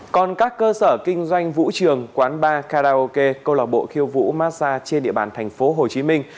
còn các cơ sở kinh doanh vũ trường quán bar karaoke câu lạc bộ khiêu vũ massage trên địa bàn thành phố hồ chí minh